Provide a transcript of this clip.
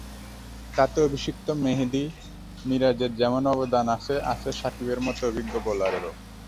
তাতে অভিষিক্ত মেহেদী মিরাজের যেমন অবদান আছে, আছে সাকিবের মতো অভিজ্ঞ বোলারেরও।